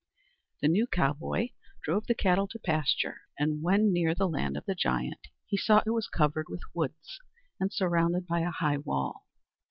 The new cowboy drove the cattle to pasture, and when near the land of the giant, he saw it was covered with woods and surrounded by a high wall.